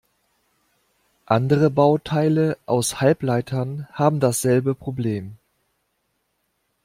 Andere Bauteile aus Halbleitern haben dasselbe Problem.